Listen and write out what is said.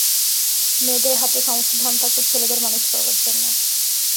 মেয়েদের হাতে সমস্ত ধন থাকত ছেলে মানুষ করবার জন্য।